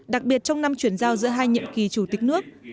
đặc biệt trong năm chuyển giao giữa hai nhiệm kỳ chủ tịch nước